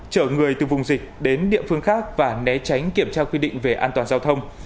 chở người từ vùng dịch đến địa phương khác và né tránh kiểm tra quy định về an toàn giao thông